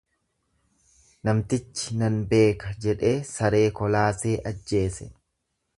Namtichi nan beeka jedhee saree kolaasee ajjeese.